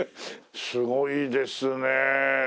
すごいですねえ。